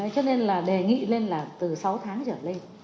cho nên là đề nghị lên là từ sáu tháng trở lên